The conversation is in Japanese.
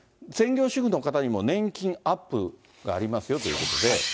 専業主婦の方にも年金アップがありますよということで。